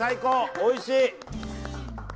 おいしい！